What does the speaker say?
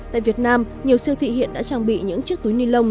tại việt nam nhiều siêu thị hiện đã trang bị những chiếc túi ni lông